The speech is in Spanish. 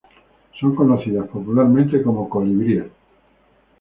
Son conocidas popularmente como colibríes.